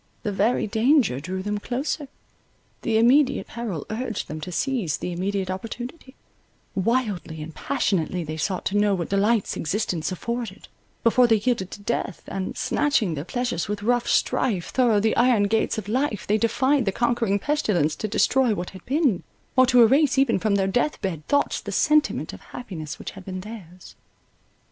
The very danger drew them closer. The immediate peril urged them to seize the immediate opportunity; wildly and passionately they sought to know what delights existence afforded, before they yielded to death, and Snatching their pleasures with rough strife Thorough the iron gates of life, they defied the conquering pestilence to destroy what had been, or to erase even from their death bed thoughts the sentiment of happiness which had been theirs.